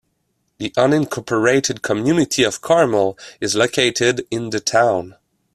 The unincorporated community of Carmel is located in the town.